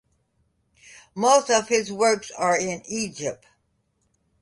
Most of his works are in Egypt.